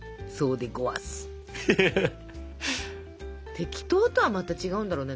テキトーとはまた違うんだろうね。